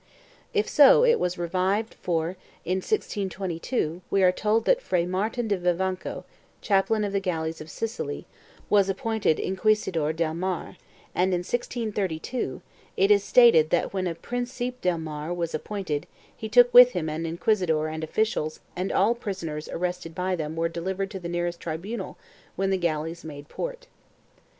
2 If so, it was levived for, in 1622, we are told that Fray Martin de Vivanco, chaplain of the galleys of Sicily, was appointed Inquisidor del Mar and, in 1632, it is stated that when a Principe del Mar was appointed he took with him an inquisitor and officials and all prisoners arrested by them were delivered to the nearest tribunal when the galleys made port.